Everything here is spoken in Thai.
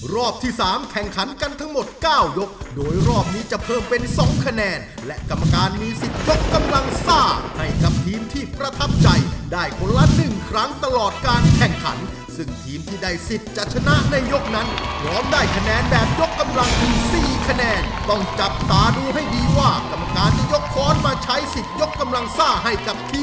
รอบที่๓แข่งขันกันทั้งหมด๙ยกโดยรอบนี้จะเพิ่มเป็น๒คะแนนและกรรมการมีสิทธิ์ยกกำลังซ่าให้กับทีมที่ประทับใจได้คนละ๑ครั้งตลอดการแข่งขันซึ่งทีมที่ได้สิทธิ์จะชนะในยกนั้นพร้อมได้คะแนนแบบยกกำลังถึง๔คะแนนต้องจับตาดูให้ดีว่ากรรมการจะยกค้อนมาใช้สิทธิ์ยกกำลังซ่าให้กับที